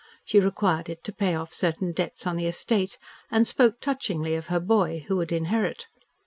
She required it to pay off certain debts on the estate and spoke touchingly of her boy who would inherit.